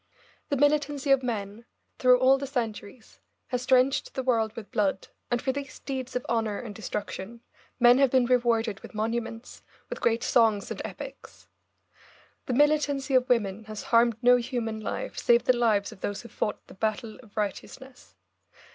The militancy of men, through all the centuries, has drenched the world with blood, and for these deeds of horror and destruction men have been rewarded with monuments, with great songs and epics. The militancy of women has harmed no human life save the lives of those who fought the battle of righteousness.